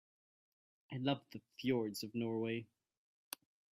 I love the fjords of Norway.